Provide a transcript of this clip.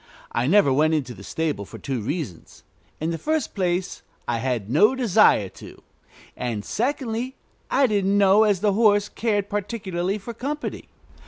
I never went into the stable, for two reasons: in the first place, I had no desire to; and, secondly, I didn't know as the horse cared particularly for company.